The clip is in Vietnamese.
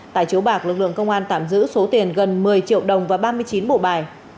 tại chiếu bạc lực lượng công an tạm giữ số tiền gần một mươi triệu đồng và ba mươi chín bộ bài